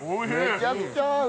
めちゃくちゃ合う。